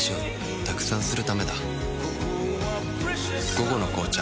「午後の紅茶」